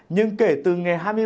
nhưng kể từ ngày hai mươi ba